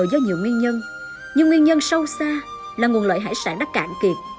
đã được phá sản